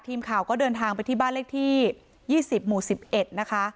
ทีมข่าวก็เดินทางไปที่บ้านเลขที่ยี่สิบหมู่สิบเอ็ดนะคะค่ะ